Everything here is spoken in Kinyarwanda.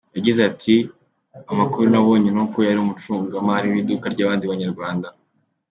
Yagize ati "Amakuru nabonye ni uko yari umucungamari w’iduka ry’abandi banyarwanda.